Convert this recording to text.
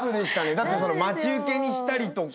だって待ち受けにしたりとか。